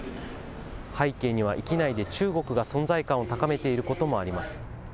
背景には域内で中国が存在感を高めていることもあります。